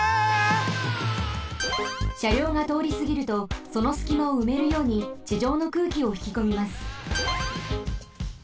しゃりょうがとおりすぎるとそのすきまをうめるようにちじょうの空気をひきこみます。